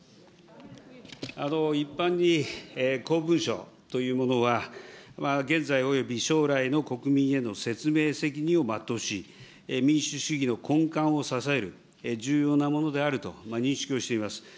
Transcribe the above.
一般に公文書というものは、現在および将来の国民への説明責任を全うし、民主主義の根幹を支える重要なものであると認識をしています。